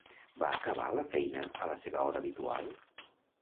Va acabar la feina a la seva hora habitual?